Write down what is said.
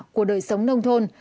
của đời sống nông thôn